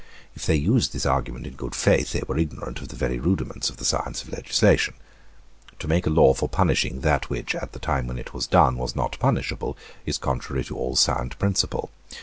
If they used this argument in good faith, they were ignorant of the very rudiments of the science of legislation. To make a law for punishing that which, at the time when it was done, was not punishable, is contrary to all sound principle.